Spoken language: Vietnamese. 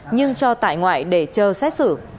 nhưng cho tại ngoại để chơ xét xử